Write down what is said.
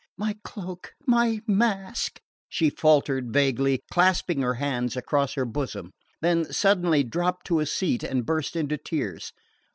"My cloak my mask " she faltered vaguely, clasping her hands across her bosom; then suddenly dropped to a seat and burst into tears.